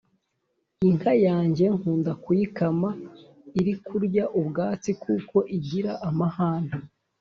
Inkayanjye nkunda kuyikama irikurya ubwatsi kuko igira amahane